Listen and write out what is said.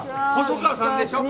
細川さんでしょ？